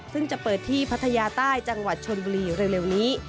ซึ่งจะเปิดที่พัทยาใต้จังหวัดชนบุรีเร็วนี้